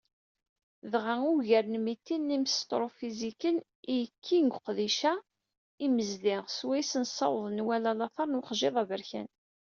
Dɣa, ugar n mitin n yimsṭrufiziken i yekkin deg uqeddic-a imezdi swayes nessaweḍ nwala later n uxjiḍ aberkan.